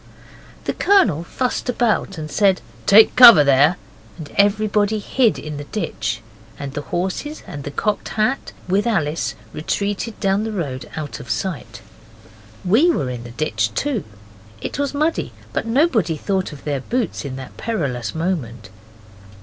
The Colonel fussed about and said, 'Take cover there!' and everybody hid in the ditch, and the horses and the Cocked Hat, with Alice, retreated down the road out of sight. We were in the ditch too. It was muddy but nobody thought of their boots in that perilous moment.